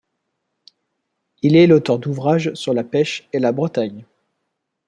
Il est l'auteur d'ouvrages sur la pêche et la Bretagne.